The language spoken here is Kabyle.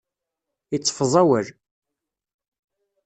Iteffeẓ awal.